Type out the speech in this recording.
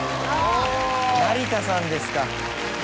成田さんですか。